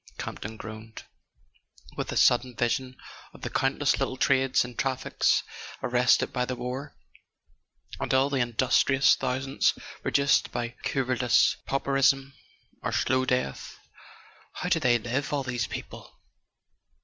Campton groaned, with a sudden vision of the countless little trades and traffics arrested by the war, and all the industrious thousands reduced to querulous pauperism or slow death. "How do they live—all these people?"